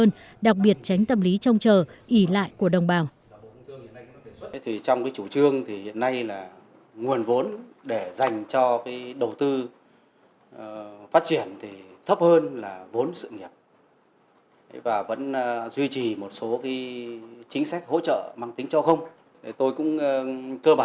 phát biểu tại pháp hiếu hiệu hơn đặc biệt tránh tâm lý trông chờ ý lại của đồng bào